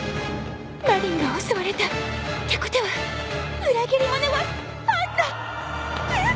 マリンが襲われた。ってことは裏切り者はパンナうっ！